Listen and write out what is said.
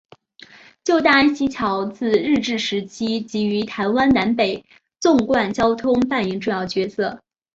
旧大安溪桥自日治时期即于台湾南北纵贯交通扮演重要角色。